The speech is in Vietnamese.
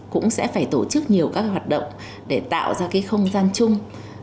cũng sẽ phải tổ chức nhiều các hoạt động để tạo ra cái không gian chung